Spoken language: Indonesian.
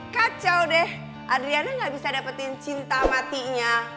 kacau deh adriana gak bisa dapetin cinta matinya